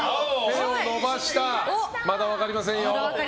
まだ分かりませんよ。